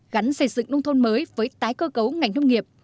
gắn xây dựng nông thôn mới với tái cơ cấu ngành nông nghiệp